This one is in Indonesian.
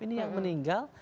ini yang meninggal